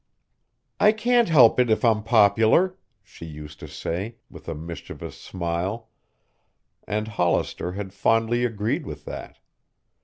"I can't help it if I'm popular," she used to say, with a mischievous smile, and Hollister had fondly agreed with that.